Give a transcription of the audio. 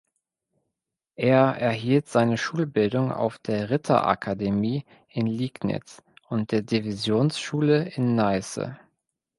Er erhielt seine Schulbildung auf der Ritterakademie in Liegnitz und der Divisionsschule in Neiße.